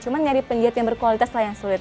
cuman nyari penjahit yang berkualitas lah yang sulit